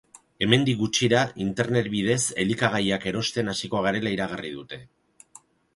Hemendik gutxira, internet bidez elikagiaak erosten hasiko garela iragarri dute.